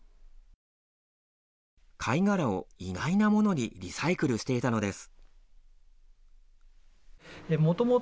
貝殻を意外なものにリサイクルしていたのです。